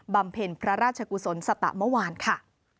ำเพ็ญพระราชกุศลสตะเมื่อวานค่ะ